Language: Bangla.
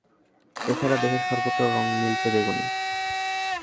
এছাড়া দেহের সর্বত্র রঙ নীলচে বেগুনি।